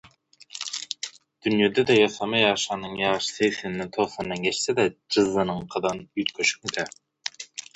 Dünýede-de ýasama ýaşanyň ýaşy segsenden, togsandan geçse-de jyzlanyňkydan üýtgeşikmikä?